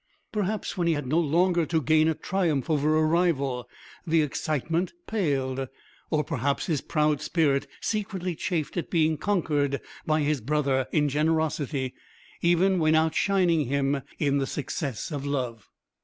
Perhaps when he had no longer to gain a triumph over a rival the excitement palled; or perhaps his proud spirit secretly chafed at being conquered by his brother in generosity, even when outshining him in the success of love.